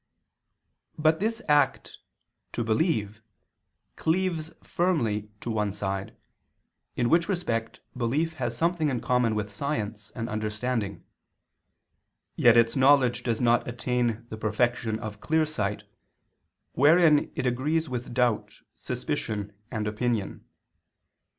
But this act "to believe," cleaves firmly to one side, in which respect belief has something in common with science and understanding; yet its knowledge does not attain the perfection of clear sight, wherein it agrees with doubt, suspicion and opinion.